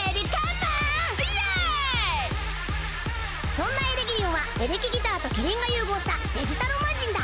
そんなエレギリンはエレキギターとキリンが融合した「デジタルマジン」だ！